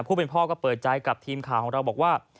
ผู้เป็นพ่อก็เปิดใจกับทีมข่าวของเราบอกว่า